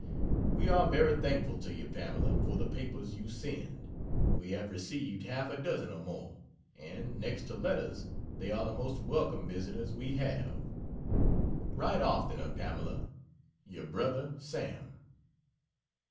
We are very thankful to you, Pamela, for the papers you send. We have received half a dozen or more, and, next to letters, they are the most welcome visitors we have. Write oftener, Pamela. Yr. Brother SAM.